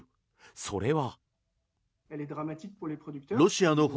それは。